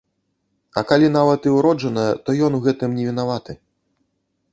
А калі нават і ўроджаная, то ён у гэтым не вінаваты.